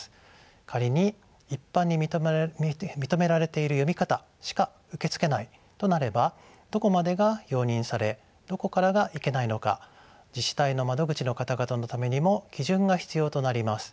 仮に一般に認められている読み方しか受け付けないとなればどこまでが容認されどこからがいけないのか自治体の窓口の方々のためにも基準が必要となります。